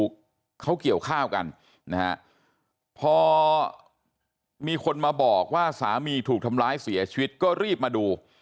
เขาเกี่ยวข้าวกันนะฮะพอมีคนมาบอกว่าสามีถูกทำร้ายเสียชีวิตก็รีบมาดู